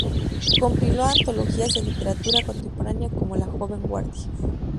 Compiló antologías de literatura contemporánea como "La joven guardia.